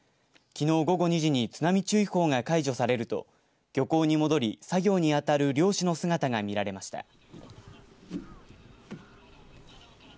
きのう午後２時に津波注意報が解除されると漁港に戻り、作業にあたる漁師の姿が見られました。